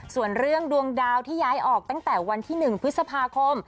ส่วนเรื่องดวงดาวที่ย้ายออกตั้งแต่วันที่๑พฤษภาคม